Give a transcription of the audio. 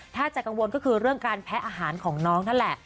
ถ้าจะกังวลก็คือเรื่องการแพะอาหารของน้องนั่นแหละ